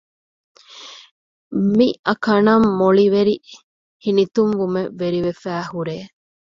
މިއަކަނަށް މޮޅިވެރި ހިނިތުންވުމެއް ވެރިވެފައި ހުރޭ